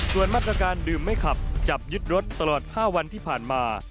ส่วนมาตรการดื่มไม่ขับจับยึดรถตลอด๕วันที่ผ่านมา